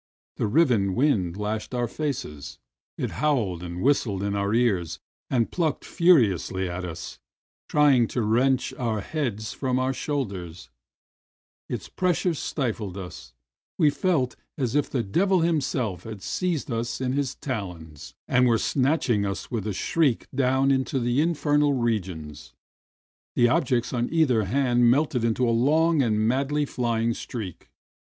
The riven wind lashed our faces; it howled and whistled in our ears, and plucked furiously at us, trying to wrench our heads from our shoulders; its pressure stifled us; we felt as if the devil himself had seized us in his talons, and were snatching us with a shriek down into the in fernal regions. The objects on either hand melted into a long and madly flying streak.